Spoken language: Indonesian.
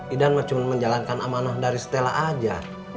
idan cuma menjalankan amanah dari stella aja